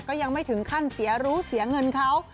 ก็ยังไม่ถึงขั้นเสียรู้เสียเงินเขา